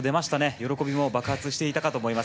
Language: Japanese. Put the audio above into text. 喜びも爆発していたと思います。